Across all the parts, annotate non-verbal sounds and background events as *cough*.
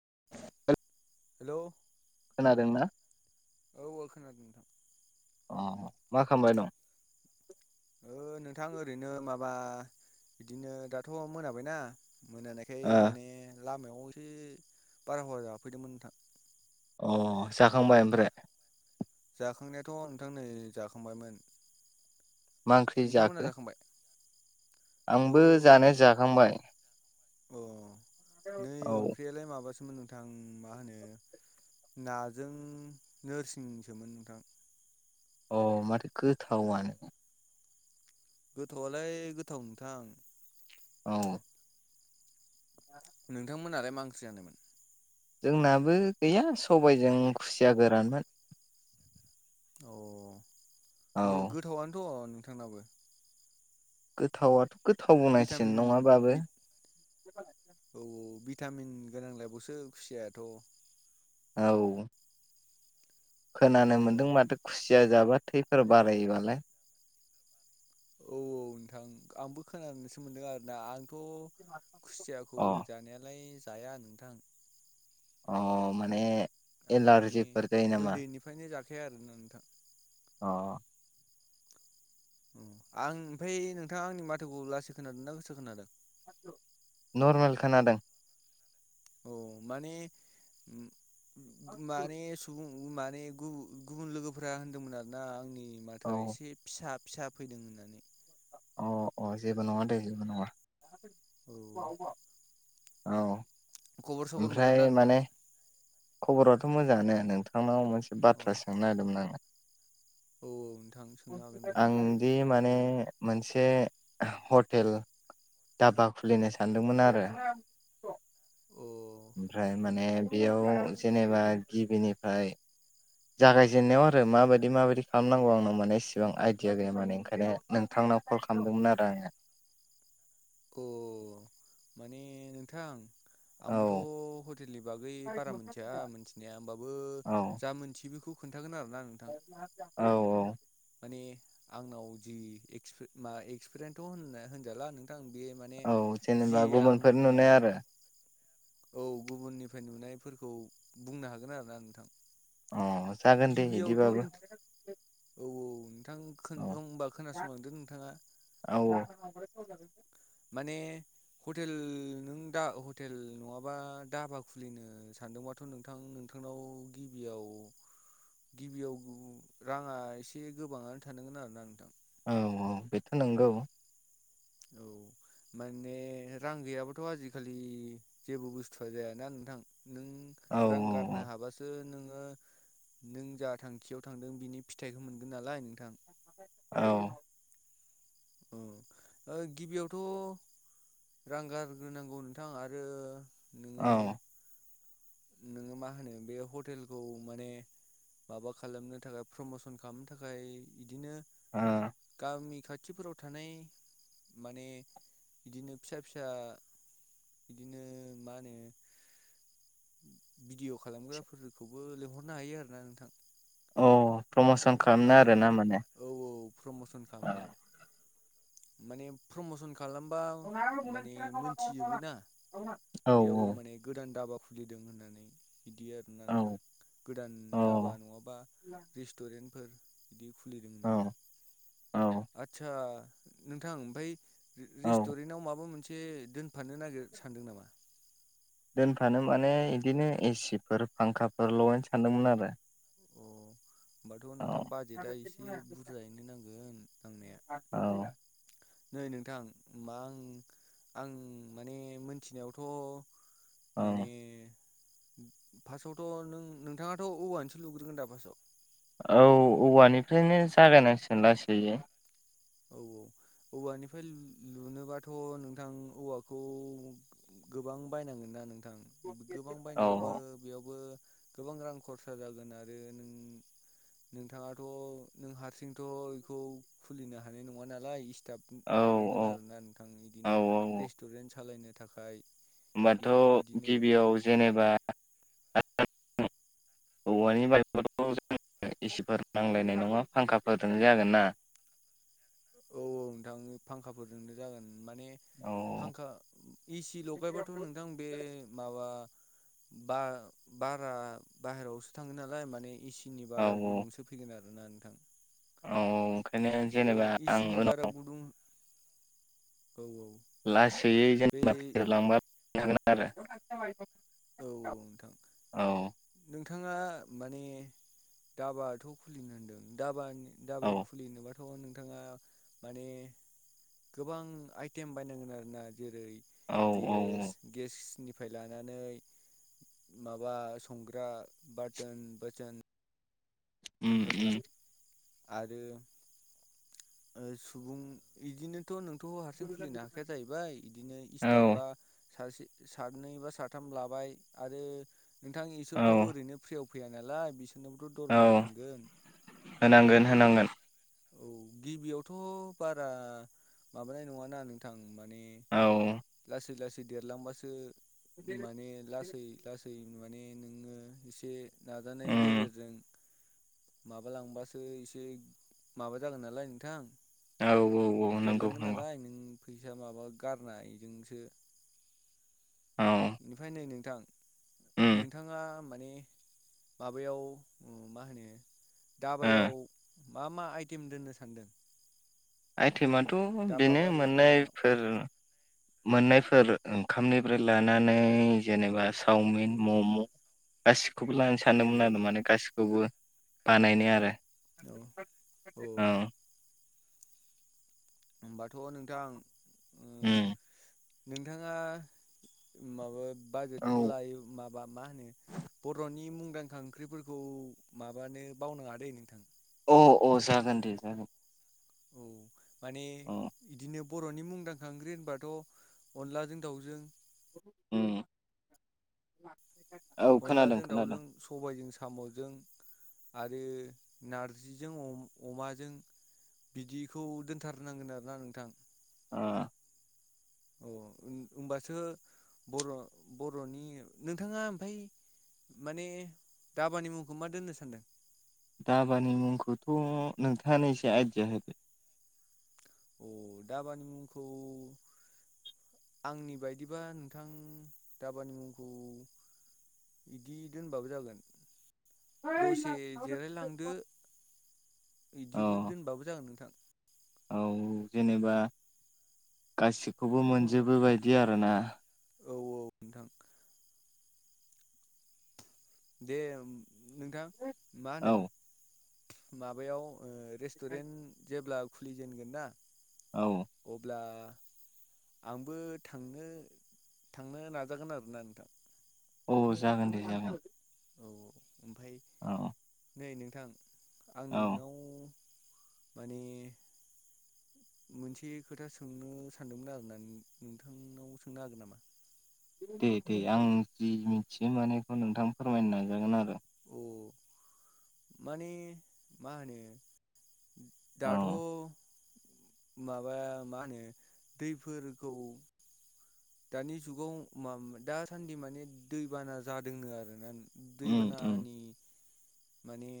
*unintelligible* हेल' खोनादोंना? *inaudible* अ मा खालामबाय दं? ओ नोंथां ओरैनो माबा बिदिनो दाथ' मोनाबायना मोनानायखाय माने लामायाव एसे बाराहारा जाफैदोंमोन नोंथां। अ जाखांबाय ओमफ्राय? जाखांनायाथ' नोंथां नै जाखांबायमोन मा ओंख्रि नोंथांमोना जाखो? जाखांबाय औ आंबो ओं जानाया जाखांबाय अ नै औ ओंख्रियालाय माबासोमोन नोंथां मा होनो नाजों नोरसिंसोमोन नोंथां ओ माथो गोथाव आनो गोथाव आलाय गोथाव नोंथां औ नोंथांमोनालाय मा ओंख्रि जानायमोन जोंनाबो गैया सबाइजों खुसिया गोरानमोन औ ओह गोथावआनोथ' नोंथांनाबो गोथावाथ' गोथाव बुंनांसिगोन भिटामिन नङाबाबो बिट औ औ बि भिटामिन गोनांलायबावसो खुसियाआथ' औ औ खोनानो मोनदों माथो खुसिया जाबा थैफोर बारायोबालाय औ औ नोंथां आंबो खोनानोसो मोनदों आरोना आं थ' खुसियाखौ अ जानायालाय जाया नोंथां अह माने ओ मानि एलारजिफोर जायो नामा ओन्दैनिफ्रायनो जाखाया आरोना नोंथां ओ आं आमफाय नोंथांआआंनि माथोखौ लासै खोनादों ना गोसा खोनादों नरमेल खोनादों औ मानि उम माने सुबुं माने गुबु गुबुन लोगोफोरा होनदोंमोन आरोना आंनि माथोआ औ एसे फिसा फिसा फैदों होननानै अ अ जेबो नङा दे जेबो नङा औ औ खबर सबर मोजां ओमफ्राय दा नोंथां माने खबराथ' मोजांआनो नोंथांनाव मोनसे अ बाथ्रा सोंनो नागिरदोंमोन आङो औ नोंथां सोंनो हागोन दे *inaudible* आंदि माने मोनसे ह'टेल धाबा खुलिनो सानदोंमोन आरो अ आमफ्राय माने बेयाव जेनेबा गिबिनिफाय जागायजेननाआव‌ आरो माबादि माबादि खालामनांगौ आंनाव मानि एसिबां आइदिया गैया माने ओंखायनो नोंथां नाव कल खालामदोंमोन आरो आङो अ माने नोंथां औ आंबोथ' ह'टेलनि बागै बारा मिथिया मिथिनाया होमबाबो जा मिथियो बेखौ खोन्थागोन आरो औ औ मानि आंनाव जि एक्सपि मा एक्सपिरियेन्थ' होनना होनजाला नोंथां बे माने औ जि जेनेबा गुबुनफोर आंनाव नुनाय आरो औ गुबुननिफ्राय नुनायफोरखौ बुंनो हागोन आरोना नोंथां अ जागोन दे गिबिआवथ' बिदिबाबो नोंथां औ औ नोंथां ओ‌ औ होनबा खोनासंलांदो नोंथाङा *unintelligible* माने ह'टेल नों दा हटेल नंआबा धाबा खुलिनो सानदोंबाथ' नोंथां नोंथांनाव गिबियाव गिबिआव रांआ‌ एसे गोबांआनो थानांगोन आरोना नोंथां औ औ बेथ' नोंगौ औ माने रां गैयाबाथ' आजिखालि जेबो बुसतुआ जायाना नोंथां नों औ रां गारनो हाबासो नोङो नों जा थांखियाव थांदों बिनि फिथाइखौ मोनगोन नालाय नोंथां औ ओ गिबियावथ' रां गारग्रोनांगौ नोंथां आरो नोङो औ नोङो मा होनो बे हटेलखौ माने माबा खालामनो थाखाय प्रमसन खालामनो थाखाय इदिनो गामि खाथि खाथिफोराव थानाय माने बिदिनो फिसा फिसा बिदिनो मा होनो भिडिय' खालामग्राफोरखौबो लिंहरनो हायो आरोना नोंथां अ प्रमसन खालामनो माने आरोना माने औ औ प्रमसन औ खालामनो माने प्रमसन खा खालामबा माने मोनथिजोबो ना औ बेयाव माने गोदान दधाबाखौ खुलिदों होननानै बिदि आरो ना औ नोंथां गोदान धाबा नङाबा रेस्टुरेन्टफोर बिदि खुलिदों औ होननानै आदसा नोंथां ओमफ्राय औ रेस्टुरेन्ट आव माबा मोनसे एसे दोनफानो नागिर सानदों नामा दोनफानो माने बिदिनो एसिफोर फांखाफोर लगायनो सानदोंमोन आरो अ होमबाथ' औ नोंथां बाजेटआ एसे बुरजायैनो नांगोन नांनाया औ नै नोंथां होमबा आं आं माने मोनथिनायावथ' माने औ फार्स्टआवथ' नों नोंथाङाथ' औवानोसो लुग्रोगोन दा फार्स्टआव औ औवानिफ्रायनो जागायनांसिगोन लासै औ औ औवानिफ्राय लुनोबाथ' नोंथां औवाखौ गोबां बायनांगोन ना नोंथां गोबां औ बायनायावबो बेयावबो गोबां रां खरसा जागोन आरो नों नोंथाङाथ' नों हारसिंथ' बेखौ खुलिनो हानाय नङा नालाय स्टाफ औ लानांगोन औ आरोना नोंथां औ इदिनो औ रेस्टुरेन्ट सालायनो नि थाखाय होमबाथ' इदिनो गिबियाव जेनेबा औवानि बानायबाथ एसिफोर नांलायनाय नङा फांखाफोरजों जागोन ना औ औ नोंथांनि फांखाफोरजोंनो जागोन माने औ फांखा एसि लगायबाथ' नोंथां बे माबा बार बारा बायेरायावसो थाङो नालाय माने इसे औ बारा गुदुंसो फैगोन आरोना नोंथां औ औ बे जेनेबा ए आं सि नि उनाव बाराव गुदुं औ औ बे लासैयै जेनेबा औ *inaudible* नोंथां औ नोंथाङा माने धाबाथ' खुलिनो होनदों धाबानि धाबा औ खुलिनोबा नोंथाङा माने गोबां आइटेम बायनांगोन आरोना। जेरै औ गेस गेसनिफ्राय लानानै माबा संग्रा बारथोन बोसोन उम उम। आरो सुबुं बिदिनो नोंथ' हारसिं खुलिनो हाखाया जाहैबाय बिदिनो औ सटाफ बा सासे सानै बा साथाम लाबाय आरो नोंथां इसोरथ' औ ओरैनो फ्रियाव फैयानालाय बिसनोबोथ' दरमा औ होनांगौ होनांगोन होनांगोन। औ गिबियावथ' बारा माबानाय नङाना नोंथां। माने औ। लासै लासै देरलांबासो माने लासै लासै माने नोङो एसे नाजानायनि उम गेजेरजों माबालांबासो एसे। माबा जागोन नालाय नोंथां। औ औ औ नंगौ देरलांगोन नंगौ। नालाय नों फैसा माबा गारनायजोंसो औ बेनिफ्राय नै नों थां उम नोंथाङा माने माबायाव मा होनो ओ धाबायाव मा मा आइटेम दोननो सान्दों? आइटेमानोथ बेनो रेस्टुरेन्टाव मोननायफोर मोननायफोर ओंखामनिफ्राय लानानै जेनेबा औ चावमिन मम' गासिखौबो लानो औ सानदोंमोन आरो माने गासिखौबो। बानायनाय आरो। औ औ। होमबाथ' नोंथां माने उम नोंथाङा माबा बाजेटखौ औ लायो माबा मा होनो बर'नि मुं ओंखाम ओंख्रिफोरखौ माबानो बावनाङादै नोंथां। औ औ जागोन दे जागोन। औ माने अ बिदिनो बर'नि मुंदांखा ओंख्रि होनबाथ' अनलाजों दाउजों उम औ खोनादों अनलाजों दाउजों खोनादों सबाइजों साम'जों आरो नारजिजों अमाजों। बिदिखौ दोनथारनांगोन आरोना नोंथां। ओ औ होमबासो बर' बर'नि नोंथाङा ओमफ्राय माने धाबानि मुंखौ मा दोननो सानदों? धाबानि मुंखौथ' नोंथाङानो एसे आइदिया होदो। अ धाबानि मुंखौ आंनि बायदिबा नोंथां धाबानि मुंखौ बिदि दोनबाबो जागोन। दसे जिरायलांदो बिदिबो औ दोनबाबो जागोन नोंथां। औ जेनेबा गासिखौबो मोनजोबोबायदि आरोना। औ औ नोंथां। दे नोंथां मा होनो औ माबायाव ओ रेस्टुरेन्ट जेब्ला खुलिजेनगोन ना औ अब्ला आंबो थांनो थांनो नाजागोन आरोना नोंथां। औ जागोन दे जागोन। औ ओमफाय औ नै नोंथां आं औ नोंनाव माने *inaudible* मोनसे खोथा सोंनो सानदोंमोन आरोना *unintelligible* नोंथांनाव सोंनो हागोन नामा? दे दे आं जि मिथिनो मानो बेखौ नोंथां फोरमायनो नाजागोन आरो। अ माने मा होनो दाथ' औ माबा मा होनो दैफोरखौ दानि जुगाव मा दासान्दि माने दैबाना जादोंनो आरोना दै उम उम बानानि माने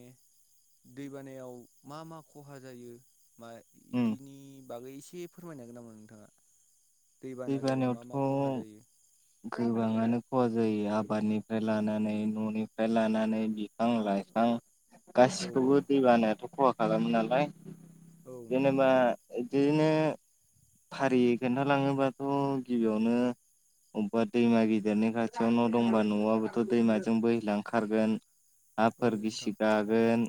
दैबानायाव मा मा खहा जायो मा उम बिदिनि बागै एसे फोरमायनो हागोन नामा नोंथांङा? दै बानायावथ' गोबांङानो खहा जायो आबादनिफ्राय लानानै न'निफ्राय लानानै *unintelligible* फां- लाइफां औ गासिखौबो दै बानायाथ' खहा खालामो नालाय। औ नोंथां जेनेबा इदिनो फारियै खोन्थालांङोबा थ' गिबियावनो अबेबा दैमा गिदिरनि खाथियाव न' दंबा न'आबोथ' दैमाजों बोहैलांखारगोन। औ हाफोर गिसि नोंथां गागोन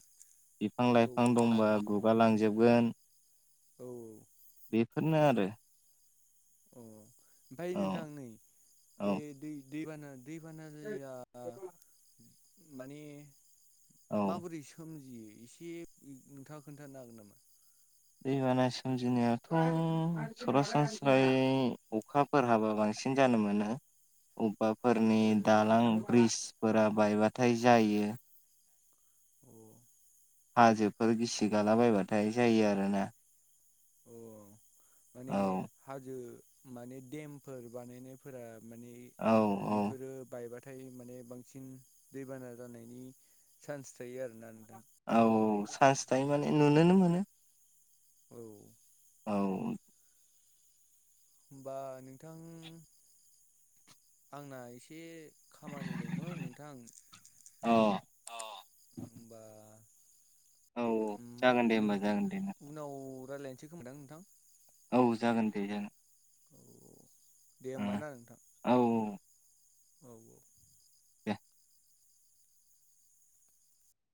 बिफां औ -लाइफां दंबा गुगालांजोब गोन। औ बेफोरनो आरो। अ ओमफ्राय औ नोंथां नै बे औ दै दैबाना दैबाना जायोबा माने औ माबोरै सोमजियो एसे *unintelligible* नोंथाङा खोन्थानो हागोन नामा? दैबाना सोमजिनायाथ' सरासनस्रायै अखाफोर हाबा बांसिन सिन जानो मोनो। माबाफोरनि अ दालां ब्रिजफोरा बायबाथाय जायो। हाजोफोर गिसि गालाबायबाथाय जायो आरोना। अ माने औ हाजो माने देमफोर बानायनायफोरा माने औ औ बेफोरो बायबाथ' नाथाय माने बांसिन दैबाना जानायनि सान्स थायो आरोना नोंथां। औ चान्स थायो माने नुनोनो मोनो। औ। औ होमबा नोंथां आंना एसे खामानि दंमोन नोंथां अ औ अ होमबा औ औ उम जागोन दे दो होमबा जागोन दे बुं उनाव रायलायनोसै खोमादां नोंथां। औ जागोन दे जागोन। औ दे होमबा ना नोंथां। औ औ औ। एह